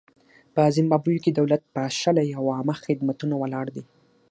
په زیمبابوې کې دولت پاشلی او عامه خدمتونه ولاړ دي.